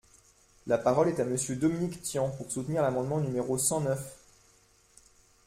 La parole est à Monsieur Dominique Tian, pour soutenir l’amendement numéro cent neuf.